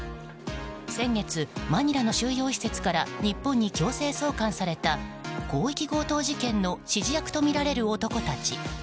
先月、マニラの収容施設から日本に強制送還された広域強盗事件の指示役とみられる男たち。